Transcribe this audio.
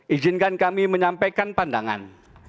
izinkan kami menyampaikan pandangan